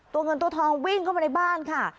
ตัวเงินตัวทองวิ่งเข้ามาในบ้านค่ะ